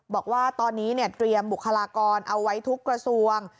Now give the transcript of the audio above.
บอกว่าตอนนี้เตรียมบุคลากรเอาไว้ทุกกระทรวง